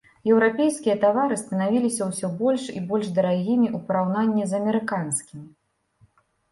Еўрапейскія тавары станавіліся ўсё больш і больш дарагімі ў параўнанні з амерыканскімі.